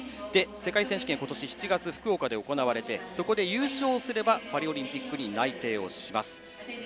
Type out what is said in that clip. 世界選手権、今年７月福岡で行われてそこで優勝すればパリオリンピックに内定をします。